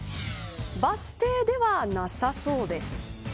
バス停ではなさそうです。